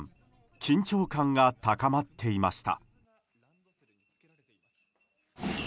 緊張感が高まっていました。